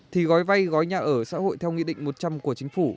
thì gói vay gói nhà ở xã hội theo nghị định một trăm linh của chính phủ